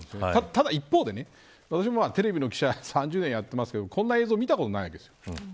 ただ一方で、私もテレビの記者を３０年やっていますがこんな映像、見たことないです。